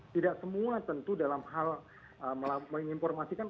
tidak semua tentu dalam hal menginformasikan